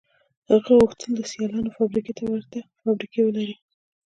هغه غوښتل د سیالانو فابریکو ته ورته فابریکې ولري